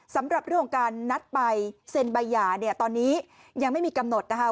สำหรับเรื่องของการนัดใบเซ็นใบหย่าเนี่ยตอนนี้ยังไม่มีกำหนดนะคะ